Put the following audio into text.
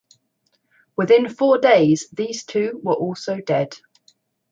Within four days these two were also dead.